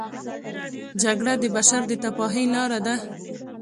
جګړه د بشر د تباهۍ لاره ده